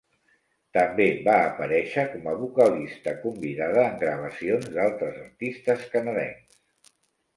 També va aparèixer com a vocalista convidada en gravacions d'altres artistes canadencs.